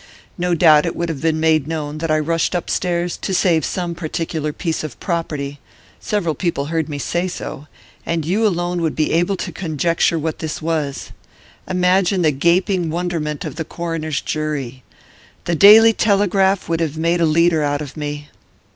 No doubt it would have been made known that I rushed upstairs to save some particular piece of property several people heard me say so and you alone would be able to conjecture what this was. Imagine the gaping wonderment of the coroner's jury! The Daily Telegraph would have made a leader out of me.